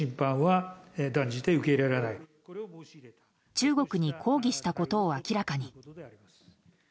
中国に抗議したことを明らかに。